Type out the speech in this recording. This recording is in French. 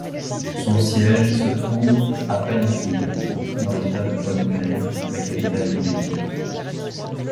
Son siège se trouve à Palikir, dans l'état de Pohnpei, la capitale du pays.